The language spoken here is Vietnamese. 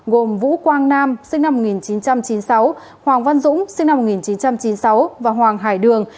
gồm vũ quang nam sinh năm một nghìn chín trăm chín mươi sáu hoàng văn dũng sinh năm một nghìn chín trăm chín mươi sáu và hoàng hải đường